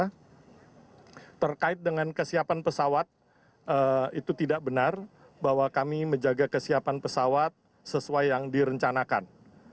tni au mengatakan simulasi terkait dengan kesiapan pesawat itu tidak benar bahwa kami menjaga kesiapan pesawat sesuai yang direncanakan